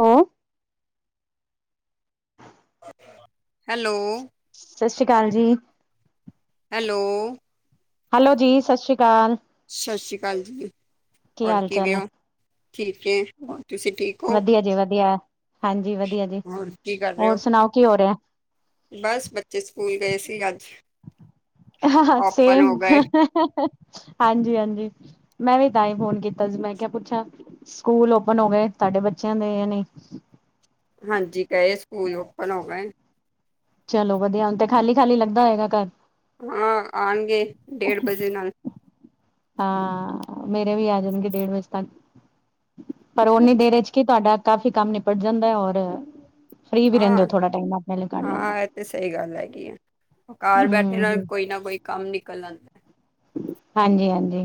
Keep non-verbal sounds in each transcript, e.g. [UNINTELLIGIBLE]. ਹ ਹੈਲੋ ਸਤਿ ਸ਼੍ਰੀ ਅਕਾਲ ਜੀ। ਹੈਲੋ। ਹੈਲੋ ਜੀ ਸਤਿ ਸ਼੍ਰੀ ਅਕਾਲ। ਸਤਿ ਸ਼੍ਰੀ ਅਕਾਲ ਜੀ। ਕੀ ਹੋਰ ਹਾਲ ਚਾਲ ਕਿਵੇਂ ਹੈ। ਹੋ? ਠੀਕ ਏ ਹੋਰ ਤੁਸੀਂ ਠੀਕ ਹੋ। ਵਧੀਆ ਜੀ ਵਧੀਆ। ਹਾਂਜੀ ਵਧੀਆ ਜੀ ਹੋਰ ਕੀ ਕਰ ਰਹੇ ਹੋਰ ਹੋ? ਸੁਣਾਓ ਕੀ ਹੋ ਰਿਹਾ। ਬਸ ਬੱਚੇ ਸਕੂਲ ਗਏ ਸੀ ਅੱਜ। ਹਾਂ ਹਾਂ ਓਪਨ ਸੇਮ। ਹੋ ਗਏ। ਹਾਂਜੀ ਹਾਂਜੀ ਮੈਂ ਵੀ ਤਾਂ ਹੀ ਫੋਨ ਕੀਤਾ ਸੀ ਮੈਂ ਕਿਹਾ ਪੁੱਛਾਂ। ਸਕੂਲ ਅੋਪਨ ਹੋ ਗਏ ਤੁਹਾਡੇ ਬੱਚਿਆਂ ਦੇ ਯਾ ਨਹੀਂ। ਹਾਂਜੀ ਗਏ ਸਕੂਲ ਅੋ ਅੋਪਨ ਹੋ ਗਏ। ਚਲੋ ਵਧੀਆ ਹੁਣ ਤੇ ਖਾਲੀ ਖਾਲੀ ਲੱਗਦਾ ਹੋਏਗਾ ਘਰ। ਹਾਂ ਆਉਣਗੇ ਡੇਢ ਵਜੇ ਨਾਲ। ਹਾਂ ਮੇਰੇ ਵੀ ਆ ਜਾਣਗੇ ਡੇਢ ਵਜੇ ਤੱਕ ਪਰ ਓਨੀ ਦੇਰ ਵਿਚ। ਕਿ ਤੁਹਾਡਾ ਕਾਫੀ ਕੰਮ ਨਿਪਟ ਜਾਂਦਾ ਹੈ ਔਰ। ਫ੍ਰਰੀ ਵੀ ਰਹਿੰਦੇ ਹੋ ਹਾਂ, ਥੋੜਾ ਟਾਈਮ ਆਪਣੇ ਲਈ ਕਰ ਲੈਂਦਾ। ਹਾਂ ਇਹ ਤੇ ਸਹੀ ਗੱਲ ਹੈਗੀ ਆ। ਘਰ ਬੈਠੇ ਨਾਲ ਹਮ ਕੋਈ ਨਾ ਕੋਈ ਕੰਮ ਨਿਕਲ ਆਂਦਾ। ਹਾਂਜੀ ਹਾਂਜੀ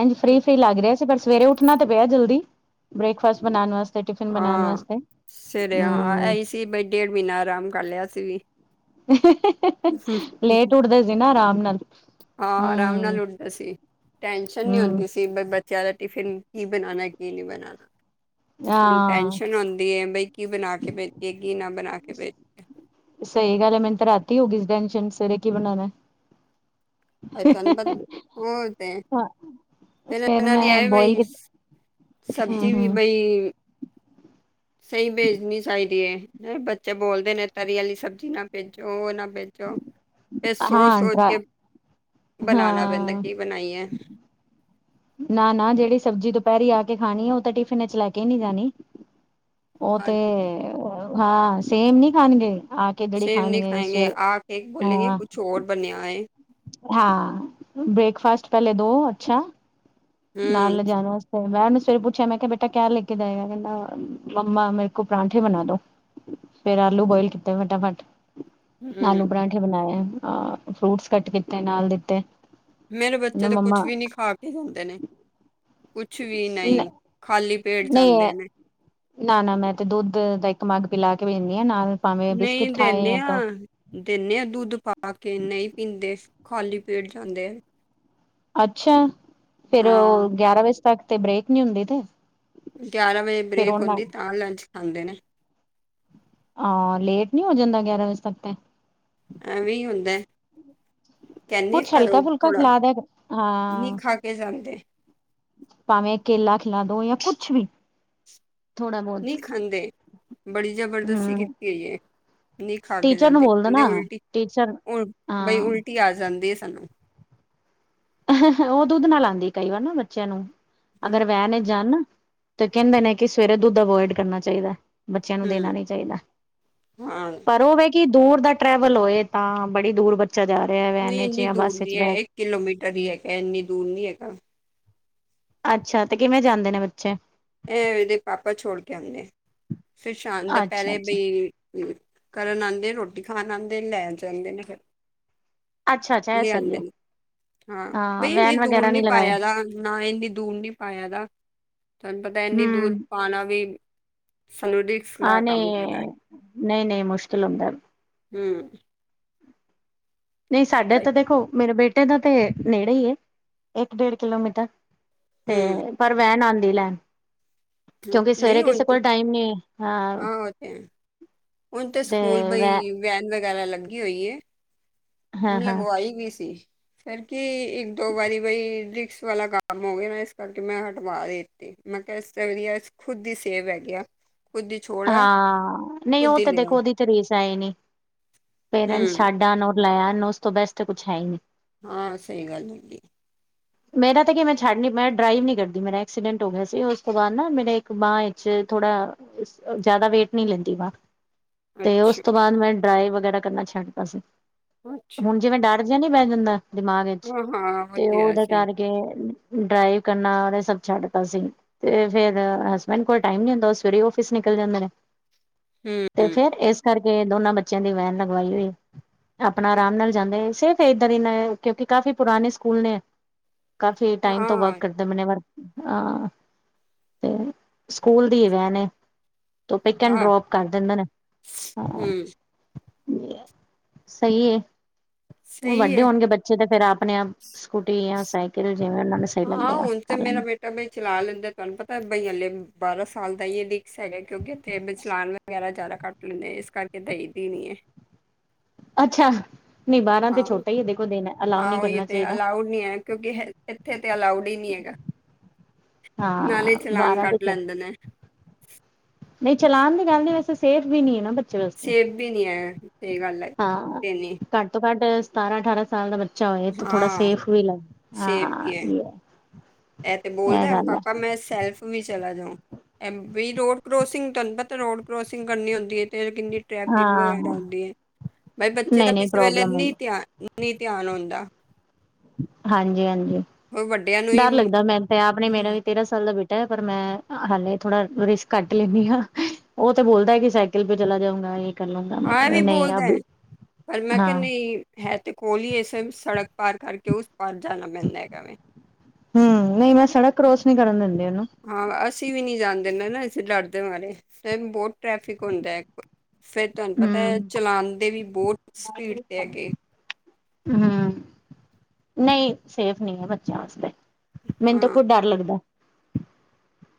ਇਝ ਫ੍ਰਰੀ ਫਰੀ ਲੱਗ ਰਿਹਾ। ਪਰ ਸਵੇਰੇ ਉੱਠਣਾ ਤਾਂ ਪਿਆ ਜਲਦੀ ਬ੍ਰੇਕਫਾਸਟ ਬਣਾਉਣ ਵਾਸਤੇ। ਤੇ ਟਿਫਿਨ ਬਣਾਉਣ ਹਾਂ। ਵਾਸਤੇ ਸਵੇਰੇ ਹਾਂ ਹਮ। ਇਹੀ ਡੇਢ ਮਹੀਨਾ ਆਰਾਮ ਕਰ ਲਿਆ ਅਸੀ ਵੀ। ਲੇਟ ਉੱਠਦੇ ਸੀ ਨਾ ਆਰਾਮ ਨਾਲ। ਹਾਂ ਆਰਾਮ ਹਮ ਨਾਲ ਉੱਠਦੇ ਸੀ ਟੈਨਸ਼ਨ ਨਹੀਂ ਹਮ ਹੁੰਦੀ ਸੀ। ਕਿ ਬੱਚਿਆਂ ਦਾ ਟਿਫਿਨ ਕੀ ਬਣਾਉਣਾ ਕੀ ਨਹੀਂ ਬਣਾਉਣਾ। ਹੁਣ ਹਾਂ ਟੈਸ਼ਨ ਹੁੰਦੀ ਏ ਬਈ ਕੀ ਬਣਾ ਕੇ ਪੇਜੀਏ ਕੀ ਨਾ ਬਣਾ ਕੇ ਪੇਜੀਏ। ਸਹੀ ਗੱਲ ਏ ਮੈਨੂੰ ਤੇ ਰਾਤੀ ਹੋ ਗਈ ਸੀ ਟੈਂਨਸ਼ਨ ਸਵੇਰੇ ਕੀ ਬਣਾਉਣਾ। ਆਂ ਅਨ ਬਦ ਹੋ ਤੇ [UNINTELLIGIBLE] ਫਿਰ ਫੇਰ ਇਹਨਾਂ ਨੀ ਮੈਂ ਆਯਾ ਬੋਇਲ ਬਈ ਸਬਜ਼ੀ ਹਮ ਵੀ ਹਮ ਬਈ। ਸਹੀ ਭੇਜਣੀ ਚਾਹੀਦੀ ਏ ਬੱਚੇ ਬੋਲਦੇ ਨੇ ਤਰੀ ਵਾਲੀ ਸਬਜ਼ੀ ਨਾ ਭੇਜੋ ਉਹ ਨਾ ਭੇਜੋ। ਤੇ ਸੋਚ ਹਾਂ ਸੋਚ ਡਰਾ ਕੇ ਬਣਾਉਣਾ ਪੈਂਦਾ ਹਾਂ ਕੀ ਬਣਾਈਏ। ਨਾ ਨਾ ਜਿਹੜੀ ਸਬਜ਼ੀ ਦੁਪਹਿਰੀ ਆ ਕੇ ਖਾਣੀ ਏ ਉਹ ਤਾਂ ਟਿਫਿਨ ਵਿਚ ਲੈ ਕੇ ਨਹੀਂ ਜਾਣੀ। ਉਹ ਤੇ ਹਾਂਜੀ ਹਾਂ ਸੇਮ ਨੀ ਖਾਣਗੇ ਆ। ਕੇ ਜਿਹੜੀ ਸੇਮ ਨੀ ਖਾਣਗੇ ਖਾਏਂਗੇ ਸਵੇਰੇ ਆ ਕੇ ਬੋਲੇਗੇ ਹਾਂ ਕੁੱਛ ਔਰ ਬਣਿਆ ਹੋਏ। ਹਾਂ ਬ੍ਰੇਕਫਾਸਟ ਪਹਿਲੇ ਦੋ ਅੱਛਾ ਨਾਲ ਲਿਜਾਣ ਵਾਸਤੇ। ਤੇ ਮੈਂ ਉਹਨੇ ਸਵੇਰੇ ਪੁੱਛਿਆ ਮੈਂ ਕਿਹਾ ਬੇਟਾ ਕਿਆ ਲੈ ਕੇ ਜਾਏਗਾ ਕਹਿੰਦਾ ਮੰਮਾ ਮੇਰੇ ਕੋ ਪਰਾਂਠੇ ਬਣਾ ਦੋ। ਫੇਰ ਆਲੂ ਬੋਇਲ ਕੀਤੇ ਫਟਾਫਟ ਆਲੂ ਪਰਾਂਠੇ ਬਣਾਏ ਅ ਫਰੂਟਸ ਕੱਟ ਕੀਤੇ ਨਾਲ ਦਿੱਤੇ। ਮੇਰੇ ਬੱਚੇ ਨਾ ਤਾਂ ਕੁਛ ਮੰਮਾ ਵੀ ਨਹੀਂ ਖਾ ਕੇ ਜਾਂਦੇ ਨੇ ਕੁਛ ਵੀ ਨਹੀਂ ਖਾਲੀ। ਪੇਟ ਜਾਂਦੇ ਨਹੀਂ ਨੇ। ਨਾ ਨਾ ਮੈਂ ਤੇ ਦੁੱਧ ਦਾ ਇੱਕ ਮੱਗ ਪਿਲਾ ਕੇ ਪੇਜਨੀ ਹਾਂ ਨਾਲ ਭਾਵੇਂ ਬਿਸਕਿਟ ਖਾਏ ਯਾ ਤੋਂ। ਦਿੰਨੇ ਆਾਂ ਦੁੱਧ ਪਾ ਕੇ ਨਹੀਂ ਪੀਂਦੇ ਖਾਲੀ ਪੇਟ ਜਾਂਦੇ ਹੈ। ਅੱਛਾ ਫੇਰ ਹਾਂ ਅੋ ਗਿਆਰਾਂ ਵਜੇ ਤੱਕ ਤੇ ਬ੍ਰੇਕ ਨੀ ਹੁੰਦੀ ਤੇ। ਗਿਆਰਾਂ ਵਜੇ ਫੇਰ ਬ੍ਰੇਕ ਉਹਨਾਂ ਹੁੰਦੀ ਤਾਂ ਲੰਚ ਖਾਂਦੇ ਨੇ। ਆ ਲੇਟ ਨੀ ਹੋ ਜਾਂਦਾ ਗਿਆਰਾਂ ਵਜੇ ਸਵਕਤੇ ਐਵੇਂ ਹੁੰਦਾ। ਕੇਨੀ ਕੁਛ ਹਲਕਾ ਫੁਲਕਾ ਘਰੋ--ਥੋੜਾ ਖਿਲਾ ਦਿਆ ਨੀ ਖਾ ਕੇ ਜਾਂਦੇ। ਭਾਵੇਂ-ਕੇਲਾ ਖਿਲਾ ਦੋ ਜਾਂ ਕੁਛ ਵੀ ਥੋੜਾ ਨ‌ਈ ਬਹੁਤ ਖਾਂਦੇ, ਬੜੀ ਜਬਰਦਸਤੀ ਹਮ ਕੀਤੀ ਹੋਈ‌ ਏ। ਨ‌ਈ ਖਾ ਕੇ ਟੀਚਰ ਨੂੰ ਜਾਂਦੇ, ਬੋਲ ਦੋ ਨਾ ਕਹਿੰਦੇ-ਉਲਟੀ ਟੀਚਰ ਉ--ਬਈ ਹਾਂ ਉਲਟੀ ਆ ਜਾਂਦੀ ਹੈ ਸਾਨੂੰ। ਔ ਦੁੱਧ ਨਾਲ ਆਂਦੀ ਕਈ ਵਾਰ ਨਾ ਬੱਚਿਆਂ ਨੂੰ ਹੂੰ ਅਗਰ ਵਹਿ ਨੇ ਜਾਣ ਨਾ ਤੇ ਕਹਿੰਦੇ ਨੇ ਕਿ ਸਵੇਰੇ ਦੁੱਧ ਅਵੋਇਡ ਕਰਨਾ ਚਾਹੀਦਾ। ਬੱਚਿਆਂ ਨੂੰ ਹੂੰ, ਦੇਨਾ ਨੀ ਚਾਈਦਾ, ਹਾਂ ਪਰ ਓ ਵੇਖ ਕੀ ਦੂਰ ਦਾ ਟਰੈਵਲ ਹੋਏ ਤਾਂ ਬੜੀ ਦੂਰ ਬੱਚਾ ਜਾ ਰਿਆ ਵੈਨ ਨਹੀਂ ਇਚ ਇੰਨੀ ਜਾਂ ਦੂਰ ਬੱਸ ਚ ਨਹੀਂ ਹੈ ਰਹਿ ਕਿਲੋਮੀਟਰ ਹੀ ਹੈਗਾ, ਇੰਨੀ ਦੂਰ ਨੀ ਹੈਗਾ। ਅੱਛਾ ਤੇ ਕਿਵੇਂ ਜਾਂਦੇ ਨੇ ਬੱਚੇ ਐ ਇਦੇ ਪਾਪਾ ਛੋੜ ਕੇ ਆਂਦੇ ਆ ਫਿਰ ਸ਼ਾਮ ਅੱਛਾ ਦਪਰੇ ਅੱਛਾ ਬਈ ਕਰਨ ਆਂਦੇ, ਰੋਟੀ ਖਾਣ ਆਂਦੇ, ਲੈਨ ਜਾਂਦੇ ਨੇ ਫਿਰ ਅੱਛਾ, ਅੱਛਾ। ਐ ਸ‌ਈ ਲਿਆਂਦੇ ਐ। ਨੇ ਹਾਂ, ਬਈ ਇੰਨੀ ਦੂਰ ਨੀ ਨਹੀਂ ਲਗਾਏ ਪਾਇਆ ਦਾ ਨਾ ਇੰਨੀ ਦੂਰ ਨੀ ਪਾਇਆ ਦਾ ਤਾਨੂੰ ਪਤਾ ਇੰਨੀ ਦੂਰ ਹਮ ਪਾਣਾ ਵੀ ਸਾਨੂੰ ਰਿਸਕ ਆ ਦਾ ਨ‌ਈ ਕੰਮ ਏ, ਲੱਗਦਾ ਨ‌ਈ, ਨਈ ਮੁਸ਼ਕਿਲ ਹੁੰਦੈ। ਹੂੰ ਨ‌ਈ, ਸਾਡੇ ਬਈ ਤਾਂ ਦੇਖੋ, ਮੇਰੇ ਬੇਟੇ ਦਾ ਤੇ ਨੇੜੇ ਈ ਏ। ਇੱਕ, ਡੇਢ ਕਿਲੋਮੀਟਰ ਹੂੰ ਤੇ ਪਰ ਵੈਨ ਆਂਦੀ ਲੈਣ ਹੂੰ। ਕਿਉਂਕਿ ਸਵੇਰੇ ਕਿਸੇ ਕੋਲ ਟਾਈਮ ਨ‌ਈ ਹੈ ਹੁਨ ਤੇ ਸਕੂਲ ਬਈ ਵੈਨ ਵਗੈਰਾ ਲੱਗੀ ਹੋਈ ਏ। ਹਾਂ ਹਾਂ ਲਗਵਾਈ ਗਈ ਸੀ। ਫੇਰ ਕੀ ਇੱਕ, ਦੋ ਵਾਰੀ ਬਈ ਰਿਕਸ ਵਾਲਾ ਕੰਮ ਹੋ ਗਿਆ ਨਾ ਇਸ ਕਰਕੇ ਮੈਂ ਹਟਵਾ ਦਿ ਕਿਹਾ ਇਸ ਵਧੀਆ ਖੁੱਦ ਦੀ ਸੇਬ ਹੈਗੇ ਖੁੱਦ ਦੀ ਹਾਂ, ਨ‌ਈ ਓ ਤੇ ਦੇਖੋ ਉਦੀ ਚ ਰੇਸ ਆਏ ਨੇ, ਪੇਰੈਂਟਸ ਹੂੰ ਛੱਡ ਆ ਬਲਾਇਆ ਉਸ ਤੋਂ ਬੈਸਟ ਕੁਛ ਹੈ ਈ ਨੀ ਹਾਂ, ਸ‌ਈ ਗੱਲ ਹੈਗੀ। [INAUDIBLE] ਮੇਰਾ ਤਾਂ ਕੀ ਮੈਂ ਛੱਡ ਨ--ਮੈਂ ਡਰਾਈਵ ਨੀ ਕਰਦੀ। ਮੇਰਾ ਐਕਸੀਡੈਂਟ ਹੋ ਗਿਆ ਸੀ। ਉਸ ਤੋਂ ਬਾਅਦ ਨਾ ਮੇਰੇ ਇੱਕ ਬਾਂਅ ਇਚ ਥੋੜਾ ਜਾਦਾ ਵੇਟ ਨੀ ਲੈਂਦੀ ਵਾ ਤੇ ਉਸ ਅੱਛਾ ਤੋਂ ਬਾਅਦ ਮੈਂ ਡਰਾਈ ਵਗੈਰਾ ਕਰਨਾ ਛੱਡਦਾ ਸੀ। ਅੱਛਾ ਹੁਨ ਜਿਵੇਂ-ਡਰ ਜਿਆ ਨੀ ਬੈ ਜਾਂਦਾ ਦਿਮਾਗ ਇਚ ਹਾਂ ਹਾਂ ਤੇ ਓ ਵਧੀਆ ਓਦੇ ਸਹੀ ਕਰ ਕੇ ਡਰਾਈਵ ਕਰਨਾ ਓਨੇ ਸਭ ਛੱਡਤਾ ਸੀ। ਤੇ ਫੇਰ ਹਸਬੈਂਡ ਕੋਲ ਟਾਈਮ ਨੀ ਹੁੰਦਾ ਓ ਸਵੇਰੇ ਓਫ ਇਸ ਨਿਕਲ ਜਾਂਦੇ ਨੇ ਹੂੰ ਤੇ ਫੇਰ ਇਸ ਕਰ ਕੇ ਦੋਨਾਂ ਬੱਚਿਆਂ ਦੀ ਵੈਨ ਲਗਵਾਈ ਹੋਈ। ਆਪਣਾ ਅਰਾਮ ਨਾਲ ਜਾਂਦੇ ਸੇਫ ਇੱਧਰ ਹੀਨਾਂ ਕਿਉਂਕਿ ਕਾਫੀ ਪੁਰਾਨੇ ਸਕੂਲ ਨੇ, ਕਾਫੀ ਟਾਈਮ ਤੋਂ ਵਕ ਹਾਂ ਕਰਦੇ ਦਮਨ ਏ ਵਰ ਹਾਂ ਤੇ ਸਕੂਲ ਦੀ ਵੈਨ ਏ ਤੋ ਪਿਕ ਐਂਡ ਹਾਂ ਡਰੋਪ ਕਰ ਦਿੰਦੇ ਨੇ ਹਾਂ ਹੂੰ ਸ‌ਈ ਏ। ਹੁ‌ ਸਹੀ ਵੱਡੇ ਹੈ ਹੋਨਗੇ ਬ ਚੇ ਤੇ ਫੇਰ ਆਪਨੇ ਆਪ ਸਕੂਟੀ ਜਾਂ ਸਾਈਕਲ ਜਿਵੇਂ- ਉਹਨਾਂ ਨੇ ਹਾਂ, ਹੁਨ ਤੇ ਮੇਰਾ ਬੇਟਾ ਬਈ ਚਲਾ ਲੈਂਦਾ। ਤਾਨੂੰ ਪਤਾ ਬਈ ਅਲੇ ਬਾਰਾਂ ਸਾਲ ਦਾ ਈ ਏ [UNINTELLIGIBLE] ਹੈਗਾ ਕਿਉਂਕਿ ਇੱਥੇ ਬਚਲਾਨ ਵਗੈਰਾ ਜਾਦਾ ਕਟ ਲੈਂਦੇ, ਇਸ ਕਰਕੇ ਦ‌ਈ ਦੀ ਨ‌ਈ ਏ। ਅੱਛਾ ਨਹੀਂ ਬਾਰਾਂ ਤੇ ਹਾਂ ਛੋਟਾ ਹੀ ਹੈ ਦੇਖੋ ਦਿਨ ਅਲਾਓ ਹਾਂ ਨਹੀਂ ਉਹੀ ਕਰਨਾ ਤੇ ਚਾਹੀਦਾ ਅਲਾਊਡ ਕਿਉਂਕਿ ਇੱਥੇ ਤੇ ਅਲਾਊਡ ਹੀ ਨਹੀਂ ਹੈਗਾ ਨਾਲੇ ਹਾਂ ਚਲਾਨ ਬਾਰਾਂ ਤੇ ਕੱਟ ਛੋ ਲੈਂਦੇ ਨੇ ਨਹੀਂ ਚਲਾਨ ਦੀ ਗੱਲ ਨ ਵੈਸੇ ਸੇਫ ਵੀ ਨੀ ਹੈ ਨਾ ਬੱਚੇ ਵਾਸਤੇ ਸੇਫ ਵੀ ਨੀ ਹੈ ਇਹ ਗੱਲ ਹਾਂ ਦੇਣੀ ਘੱਟ ਤੋਂ ਘੱਟ ਸਤਾਰਾਂ ਅਠਾਰਾਂ ਸਾਲ ਦਾ ਬੱਚਾ ਬੱਚਾ ਹੋਏ ਤੇ ਥੋੜਾ ਹਾਂ ਸੇਫ ਵੀ ਲਗ ਸੇਬ ਵੀ ਹੈ ਦਾ ਇਹ ਤੇ ਬੋਲਦਾ ਪਾਪਾ ਮੈਂ ਸੈਲਫ ਵੀ ਚਲਾ ਜਾਓ ਐ ਵੀ ਰੋਡ ਕਰੋਸਿੰਗ ਤੁਹਾਨੂੰ ਪਤਾ ਰੋਡ ਕਰੋਸਿੰਗ ਕਰਨੀ ਹੁੰਦੀ ਹੈ ਅਤੇ ਕਿੰਨੀ ਟ੍ਰੈਫਿਕ ਹਾਂ ਵਗੈਰਾ ਹੁੰਦੀ ਹੈ ਬਾਈ ਬੱਚੇ ਦਾ ਨਹੀਂ ਨਹੀਂ ਕਿਸੇ ਵੇਲੇ ਪ੍ਰੋਬਲਮ ਨ ਹੁੰਦੀ ਧਿਆ ਨਹੀਂ ਧਿਆਨ ਆਉਂਦਾ ਹਾਂਜੀ ਹਾਂਜੀ ਉਹ ਵੱਡਿਆਂ ਨੂੰ ਹੀ ਡਰ ਲੱਗਦਾ ਮੈਨੂੰ ਤੇ ਆਪ ਨੇ ਮੈਨੂੰ ਵੀ ਤੇਰਾਂ ਸਾਲ ਦਾ ਬੇਟਾ ਹੈ ਪਰ ਮੈਂ ਹਾਲੇ ਥੋੜਾ ਰਿਸਕ ਕੱਟ ਲੈਂਦੀ ਹਾਂ ਉਹ ਤੇ ਬੋਲਦਾ ਕਿ ਸਾਈਕਲ ਪੇ ਚਲਾ ਜਾਊਂਗਾ ਇਹ ਕਰ ਲਗਾ ਹਾਂ ਇਹ ਮੈਂ ਵੀ ਨਹੀਂ ਬੋਲਦਾ ਹੈ ਅ ਪਰ ਮੈਂ ਕਿਹਾ ਹਾਂ ਨਹੀਂ ਹੈ ਤੇ ਕੋਲ ਹੀ ਇਸੇ ਸੜਕ ਪਾਰ ਕਰਕੇ ਉਸ ਪਾਰ ਜਾਣਾ ਮਿਲਦਾ ਹੈਗਾਵੇ ਹਮ ਨਹੀਂ ਮੈਂ ਸੜਕ ਕਰੋਸ ਨੀ ਕਰਨ ਦਿੰਦੀ ਉਹਨੂੰ ਹਾਂ ਅਸੀਂ ਵੀ ਨਹੀਂ ਜਾਂਦੇ ਦੇ ਨਾ ਇਸੇ ਡਰ ਦੇ ਮਾਰੇ ਫ ਬਹੁਤ ਟ੍ਰੈਫਿਕ ਹੁੰਦਾ ਇੱਕ ਫੇਰ ਤੁਹਾਨੂੰ ਪਤਾ ਹੂੰ ਚਲਾਉਣਦੇ ਵੀ ਬਹੁਤ ਸਪੀਡ ਤੇ ਹੈਗੇ ਹਮ ਨਹੀਂ ਸੇਫ ਨਹੀਂ ਹੈ ਬੱਚਿਆਂ ਵਾਤੇ ਮੈਨੂੰ ਤਾਂ ਹਾਂ ਖੁਦ ਡਰ ਲੱਗਦਾ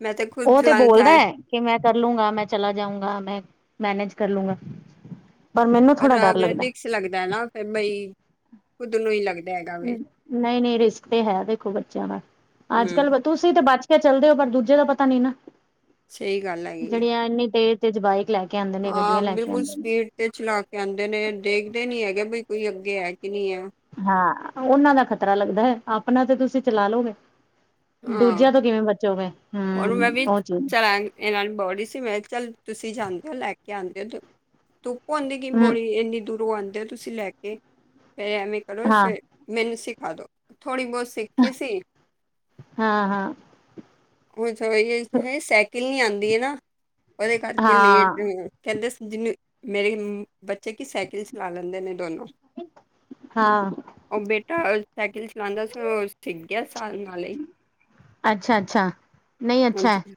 ਮੈਂ ਤਾਂ ਖੁਦ ਉਹ ਤੇ ਚਲਾ ਜਾ ਬੋਲਦਾ ਹੈ ਕਿ ਮੈਂ ਕਰ ਲਗਾ ਮੈਂ ਚਲਾ ਜਾਊਂਗਾ ਮੈਂ ਮੈਨੇਜ ਕਰ ਲੂੰਗਾ ਮੈਨੂੰ ਪਰ ਥੋੜਾ ਡਰ ਲੱਗਦਾ। ਰਿਕਸ ਲੱਗਦਾ ਹੈ ਨਾ ਫ ਬਈ ਕੁਦ ਨੂੰ ਹੀ ਲੱਗਦਾ ਹੈਗਾ ਵੇ ਨਹੀਂ ਨਹੀਂ ਰਿਸਕ ਤੇ ਹੈ ਦੇਖੋ ਬੱਚਿਆਂ ਦਾ ਅੱਜ ਕੱਲ ਹੂੰ ਬੱਚ ਤੁਸੀਂ ਤੇ ਬੱਚ ਕੇ ਚੱਲਦੇ ਹੋ ਪਰ ਦੂਜੇ ਦਾ ਪਤਾ ਨੀ ਨਾ ਸਹੀ ਗੱਲ ਹੈਗੀ ਹੈ ਜਿਹੜੀਆਂ ਇੰਨੀ ਤੇਜ਼ ਤੇਜ ਬਵਾਇਕ ਲੈ ਕੇ ਆਉਂਦੇ ਨੇ ਹਾਂ ਗੱਡੀਆਂ ਲੈ ਕੇ ਬਿਲਕੁਲ ਆਉਂਦੇ ਨੇ। ਸਪੀਡ ਤੇਜ ਚਲਾ ਕੇ ਆਉਂਦੇ ਨੇ ਦੇਖਦੇ ਨੀ ਹੈਗੇ ਬਈ ਕੀ ਅੱਗੇ ਹੈ ਕਿ ਨਹੀਂ ਹੈ ਹਾਂ ਉਹਨਾਂ ਦਾ ਖ਼ਤਰਾ ਲੱਗਦਾ ਹੈ ਆਪਣਾ ਤੇ ਤੁਸੀਂ ਚਲਾ ਲਓਗੇ ਹਾਂ ਦੂਜਿਆਂ ਤੋਂ ਕਿਵੇਂ ਬਚੋਗੇ ਹਮ ਉਹ ਚੀਜ਼ ਇਹ ਨਾਲ ਬਹੁੜੀ ਸੀ ਮੈਂ ਚੱਲ ਤੁਸੀਂ ਜਾਂਦੇ ਹੋ ਲੈ ਕੇ ਆਉਦੇ ਹੋ ਭਉਂਦੀ ਕਿ ਹੂੰ ਬੋਲੀ ਇੰਨੀ ਦੂਰੋਂ ਆਉਂਦੇ ਹੋ ਤੁਸੀਂ ਲੈ ਕੇ ਫਿਰ ਐਵੇਂ ਕਰੋ ਫ ਹਾਂ ਮੈਨੂੰ ਸਿਖਾ ਦੋ ਥੋੜ੍ਹੀ ਬਹੁਤ ਸਿੱਖੀ ਸੀ ਹਾਂ ਹਾਂ ਉਹਹੀ ਸਾਈਕਲ ਨੀ ਆਉਂਦੀ ਹੈ ਨਾ ਉਹਦੇ ਕਰਕੇ ਲੇਟ ਹਾਂ ਕਹਿੰਦੇ ਜਿਨੂੰ ਮੇਰੇ ਬੱਚੇ ਕੀ ਸਾਈਕਲ ਚਲਾ ਲੈਂਦੇ ਨੇ ਦੋਨੋ ਹਾਂ ਉਹ ਬੇਟਾ ਸਾਈਕਲ ਚਲਾਉਂਦਾ ਸੀ ਉਹ ਸਿੱ ਗਿਆ ਸਾਲ ਨਾਲ ਹੀ ਅੱਛਾ ਅੱਛਾ ਨਹੀਂ ਅੱਛਾ ਹੈ ਹਾਂਜੀ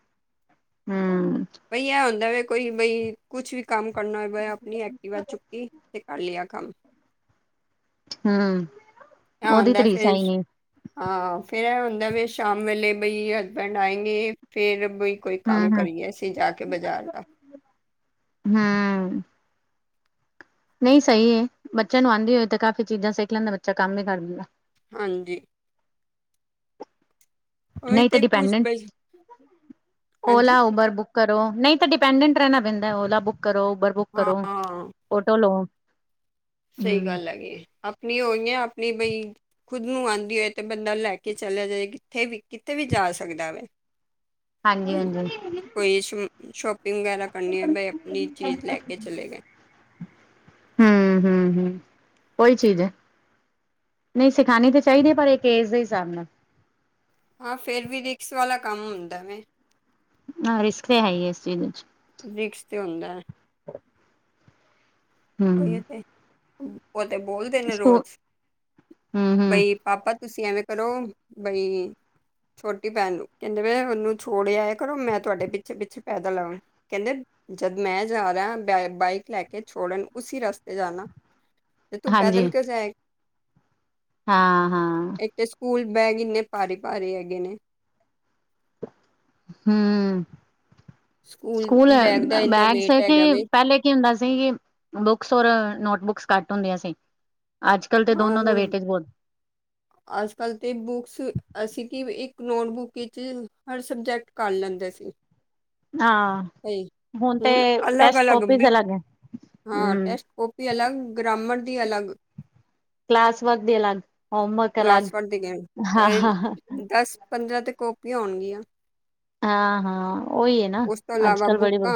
ਹਮ ਬਈ ਇਹ ਹੁੰਦਾ ਵ ਕੋਈ ਬਈ ਕੁਛ ਵੀ ਕੰਮ ਕਰਨਾ ਹੋ ਆਪਣੀ ਐਕਟੀਵਾ ਚੁੱਕੀ ਤੇ ਕਰ ਲਿਆ ਕੰਮ ਹੂੰ ਉਹਦੀ ਆਉਂਦਾ ਤਾਂ ਰੀਸ ਹੈ ਫੇਰ ਹੀ ਨਹੀਂ ਹਾਂ ਫਿਰ ਇਹ ਹੁੰਦਾ ਵੀ ਸ਼ਾਮ ਵੇਲੇ ਬਈ ਹਸਬੈਂਡ ਆਏਂਗੇ ਫਿਰ ਬਈ ਕੋਈ ਕੰਮ ਕਰੀਏ ਅਸੀਂ ਜਾ ਕੇ ਬਾਜ਼ਾਰ ਦਾ ਹਮ ਨਹੀਂ ਸਹੀ ਏ, ਬੱਚਿਆਂ ਨੂੰ ਆਂਦੀ ਹੋਏ ਤਾਂ ਕਾਫ਼ੀ ਚੀਜ਼ਾਂ ਸਿੱਖ ਲੈਂਦਾ ਬੱਚਾ ਕੰਮ ਵੀ ਕਰ ਦਿੰਦਾ। ਹਾਂਜੀ। ਉਹੀ ਨਹੀਂ ਤਾਂ ਤੇ ਕੁਛ ਡਿਪੈਂਡੈਂਟ, ਬਈ ਹਾਂਜੀ। ਓਲਾ ਉਬਰ ਬੁੱਕ ਕਰੋ ਨਹੀਂ ਤਾਂ ਡਿਪੈਂਡੈਂਟ ਰਹਿਣਾ ਪੈਂਦਾ ਓਲਾ ਬੁੱਕ ਕਰੋ ਉਬਰ ਬੁੱਕ ਕਰੋ, ਹਾਂ ਓਟੋ ਲਓ। ਸਹੀ ਹੂੰ ਗੱਲ ਹੈਗੀ, ਆਪਣੀ ਹੋਈਆਂ ਆਪਣੀ ਬਈ ਖੁਦ ਨੂੰ ਆਂਦੀ ਹੋਏ ਤੇ ਬੰਦਾ ਲੈ ਕੇ ਚਲਿਆ ਜਾਏ ਕਿੱਥੇ ਵੀ ਕਿਤੇ ਵੀ ਜਾ ਸਕਦਾ ਵਾ। ਹਾਂਜੀ-ਹਾਂਜੀ। ਕੋਈ ਸ਼ ਸ਼ੋਪਿੰਗ ਵਗੈਰਾ ਕਰਨੀ ਹੈ ਬਈ ਆਪਣੀ ਚੀਜ਼ ਲੈ ਕੇ ਚਲੇ ਗਏ। ਹੂੰ ਹੂੰ ਹੂੰ ਉਹੀ ਚੀਜ਼ ਏ। ਨਹੀਂ ਸਿਖਾਣੀ ਤਾਂ ਚਾਹੀਦੀ ਹੈ ਪਰ ਇੱਕ ਏਜ ਦੇ ਹਿਸਾਬ ਨਾਲ। ਹਾਂ ਫੇਰ ਵੀ ਰਿਕਸ ਵਾਲਾ ਕੰਮ ਹੁੰਦਾ ਵੇ। ਹਾਂ ਰਿਸਕ ਤੇ ਹੈ ਈ ਇਸ ਚੀਜ਼ ਵਿੱਚ। ਰਿਕਸ 'ਤੇ ਹੁੰਦਾ। [INAUDIBLE] ਉਹੀ ਹੂੰ ਤੇ, ਉਹ ਤੇ ਬੋਲਦੇ ਨੇ ਸਕੂ ਰੋਜ਼, ਹੂੰ ਹੂੰ ਬਈ ਪਾਪਾ ਤੁਸੀਂ ਐਵੇਂ ਕਰੋ, ਬਈ ਛੋਟੀ ਭੈਣ ਨੂੰ, ਕਹਿੰਦੇ ਪਏ ਮੈਨੂੰ ਛੋੜ ਆਇਆ ਕਰੋ ਮੈਂ ਤੁਹਾਡੇ ਪਿੱਛੇ-ਪਿੱਛੇ ਪੈਦਲ ਆਵਾਂ। ਕਹਿੰਦੇ ਜਦ ਮੈਂ ਜਾ ਰਿਹਾ ਬਾਈਕ ਲੈ ਕੇ ਛੋੜਨ ਉਸੀ ਰਸਤੇ ਜਾਣਾ, ਤੇ ਤੂੰ ਪੈਦਲ ਕੇ ਕਿਉਂ ਜਾਏ। ਹਾਂ-ਹਾਂ। ਇੱਕ ਤੇ ਸਕੂਲ ਬੈਗ ਇੰਨੇ ਭਾਰੇ-ਭਾਰੇ ਹੈਗੇ ਨੇ। ਹੂੰ ਸਕੂਲ ਬੈਗ ਦਾ ਇੰਨਾ ਬੈਗਸ ਏ ਵੇਟ ਹੈਗਾ ਕਿ ਵੇ ਪਹਿਲੇ ਕੀ ਹੁੰਦਾ ਸੀ ਕਿ, ਬੁੱਕਸ ਔਰ ਨੋਟ ਬੁੱਕਸ ਕੱਟ ਹੁੰਦੀਆਂ ਸੀ। ਅੱਜਕੱਲ੍ਹ ਤੇ ਦੋਨੋ ਦਾ ਵੇਟੇਜ ਬਹੁਤ ਅੱਜਕੱਲ ਤੇ ਬੁੱਕਸ ਅਸੀਂ ਕਿ ਇੱਕ ਨੋਟਬੁੱਕ ਵਿੱਚ ਹਰ ਸਬਜੈਕਟ ਕਰ ਲੈਂਦੇ ਸੀ। ਹਾਂ ਤੇ ਹੁਣ ਟੈਸਟ ਅਲੱਗ-ਅਲੱਗ ਕਾਪੀਜ਼ ਵੀ ਅਲੱਗ ਹੈ ਹਾਂ ਹੂੰ ਟੈਸਟ ਕਾਪੀ ਅਲੱਗ ਗਰਾਮਰ ਦੀ ਅਲੱਗ। ਕਲਾਸ ਵ ਦੀ ਅਲੱਗ। ਹੋਮਵਰਕ ਅਲੱਗ ਕਲਾਸ ਪੜਦੀ ਗ, ਹਾਂ ਪਰ ਹਾਂ ਦਸ ਪੰਦਰਾਂ ਤੇ ਕਾਪੀਆਂ ਹੋਣਗੀਆਂ। ਹਾਂ-ਹਾਂ। ਉਹੀ ਏ ਨਾ, ਉਸ ਤੋਂ ਇਲਾਵਾ ਅੱਜਕੱਲ ਬੜੀ ਬ, ਬੁੱਕਾਂ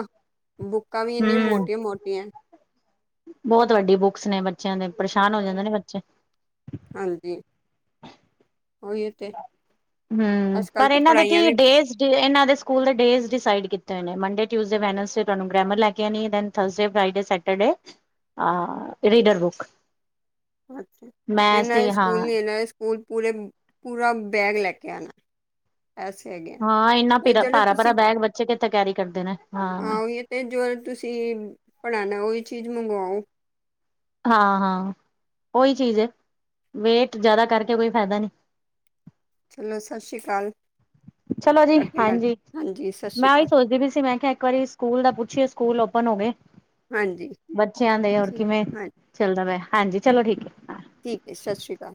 ਬੁੱਕਾਂ ਵੀ ਇੰਨੀਆਂ ਹੂੰ। ਮੋਟੀਆਂ ਮੋਟੀਆਂ ਬਹੁਤ ਵੱਡੀ ਬੁੱਕਸ ਨੇ ਬੱਚਿਆਂ ਦੇ ਪਰੇਸ਼ਾਨ ਹੋ ਜਾਂਦੇ ਨੇ ਬੱਚੇ। ਹਾਂਜੀ, ਉਹੀ ਤੇ। ਹੂੰ ਅੱਜ ਕੱਲ੍ਹ ਪਰ ਤੇ ਇਹਨਾਂ ਦੇ ਪੜ੍ਹਾਈਆਂ ਕੀ ਵੀ ਡੇਜ਼ ਇਹਨਾਂ ਦੇ ਸਕੂਲ ਦੇ ਡੇਜ਼ ਡਿਸਾਈਡ ਕੀਤੇ ਹੋਏ ਨੇ ਮੰਡੇ, ਟਿਊਜ਼ਡੇ, ਵੈਨਸੇ ਤੁਹਾਨੂੰ ਗਰੈਮਰ ਲੈ ਕੇ ਆਨੀ ਏ then Thursday, Friday, Saturday, uh reader book. ਅੱਛਾ, ਮੈਥ ਇਹਨਾ ਤੇ ਹਾਂ ਸਕੂਲ ਨੀ ਇਹਨਾ ਸਕੂਲ ਪੂਰੇ ਪੂਰਾ ਬੈਗ ਲੈਕੇ ਆਣਾ। ਐਸੇ ਹੈਗੇ। ਆ ਹਾਂ ਇੰਨਾ ਤੇ ਭੀਰਾ ਜਿਹੜਾ ਭਾਰਾ-ਭਾਰਾ ਤੁਸੀਂ ਬੈਗ ਬੱਚੇ ਕਿੱਥੇ ਕੈਰੀ ਕਰਦੇ ਨੇ ਹਾਂ। ਤੇ ਜੋ ਤੁਸੀਂ ਪੜ੍ਹਾਨਾ ਉਹੀ ਚੀਜ਼ ਮੰਗਵਾਓ। ਹਾਂ-ਹਾਂ ਉਹੀ ਚੀਜ਼ ਏ, ਵੇਟ ਜ਼ਿਆਦਾ ਕਰਕੇ ਕੋਈ ਫਾਇਦਾ ਨੀ। ਚਲੋ ਸਾਸ਼ਰੀ ਕਾਲ। ਚਲੋ ਜੀ ਹਾਂਜੀ, ਹਾਂਜੀ ਸਤਿ ਸ਼੍ਰੀ ਮੈਂ ਉਹੀ ਅਕਾਲ ਸੋਚਦੀ ਵੀ ਸੀ ਮੈਂ ਕਿਹਾ ਇੱਕ ਵਾਰੀ ਸਕੂਲ ਦਾ ਪੁੱਛੀਏ ਸਕੂਲ ਓਪਨ ਹੋ ਗਏ ਹਾਂਜੀ ਬੱਚਿਆਂ ਦੇ ਹੋਰ ਠੀਕ ਕਿਵੇਂ ਹਾਂਜੀ ਚੱਲਦਾ ਪਿਆ ਹਾਂਜੀ ਚਲੋ ਠੀਕ ਠੀਕ ਹੈ ਸਤਿ ਸ਼੍ਰੀ ਕਾਲ